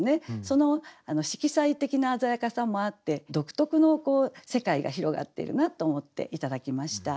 その色彩的な鮮やかさもあって独特の世界が広がっているなと思って頂きました。